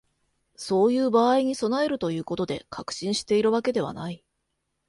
そういう場合に備えるということで、確信しているわけではない